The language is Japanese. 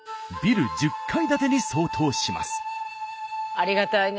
ありがたいね。